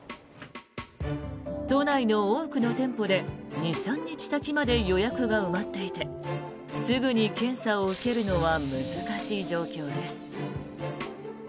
都内の多くの店舗で２３日先まで予約が埋まっていてすぐに検査を受けるのは難しい状況です。